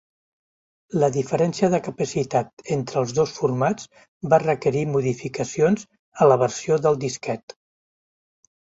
La diferència de capacitat entre els dos formats va requerir modificacions a la versió del disquet.